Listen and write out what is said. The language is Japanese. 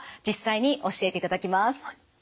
実際に教えていただきます。